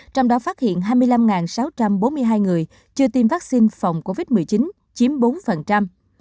trong đó phát hiện hai mươi năm sáu trăm bốn mươi hai người chưa tiêm vaccine phòng covid một mươi chín chiếm bốn